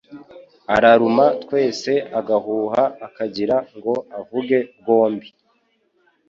Araruma twese agahuha Akagira ngo avuge bwombi